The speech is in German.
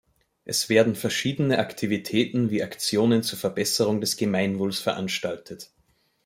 Es werden verschiedene Aktivitäten wie Aktionen zur Verbesserung des Gemeinwohls veranstaltet.